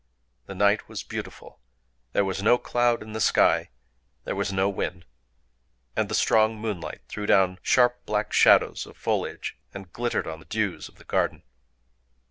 The night was beautiful: there was no cloud in the sky: there was no wind; and the strong moonlight threw down sharp black shadows of foliage, and glittered on the dews of the garden.